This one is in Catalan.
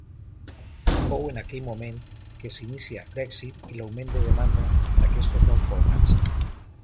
Fou en aquell moment que s'inicia l'èxit i l'augment de demanda d'aquests nous formats.